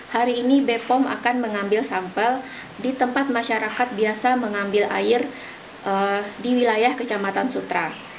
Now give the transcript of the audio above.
hari ini bepom akan mengambil sampel di tempat masyarakat biasa mengambil air di wilayah kecamatan sutra